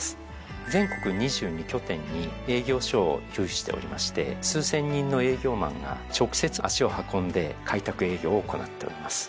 全国２２拠点に営業所を有しておりまして数千人の営業マンが直接足を運んで開拓営業を行なっております。